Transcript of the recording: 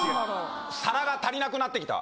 皿が足りなくなってきた。